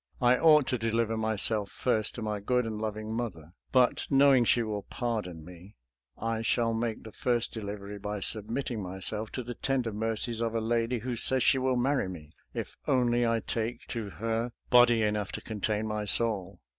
I ought to deliver myself first to my good and loving mother, but knowing she will pardon me, I shall make the first delivery by submitting myself to the tender mercies of a lady who says she will marry me if only I take to her " body enough to contain my soul."